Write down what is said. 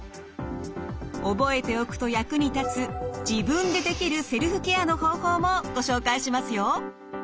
覚えておくと役に立つ自分でできるセルフケアの方法もご紹介しますよ。